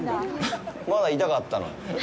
まだいたかったのに。